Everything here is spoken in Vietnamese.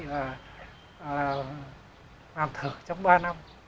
làm thử trong ba năm